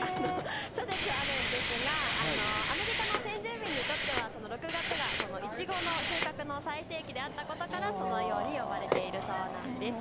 諸説あるんですがアメリカの先住民にとっては６月がいちごの収穫の最盛期であったことからそのように呼ばれているそうです。